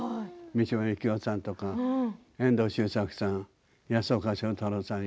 三島由紀夫さんとか遠藤周作さんとか安岡正太郎さん